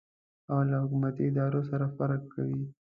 او له حکومتي ادارو سره فرق کوي.